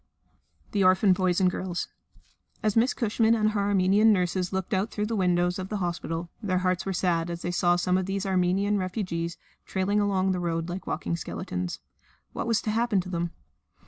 The Orphan Boys and Girls As Miss Cushman and her Armenian nurses looked out through the windows of the hospital, their hearts were sad as they saw some of these Armenian refugees trailing along the road like walking skeletons. What was to happen to them?